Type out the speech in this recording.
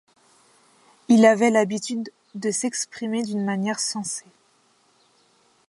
Il avait l'habitude de s'exprimer d'une manière sensée.